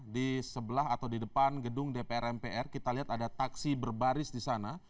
di sebelah atau di depan gedung dpr mpr kita lihat ada taksi berbaris di sana